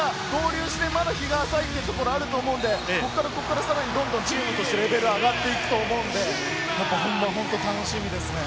まだ合流して日が浅いというところがあると思うので、ここからどんどんとチームとしてレベル上がっていくと思うので、本番が本当に楽しみですね。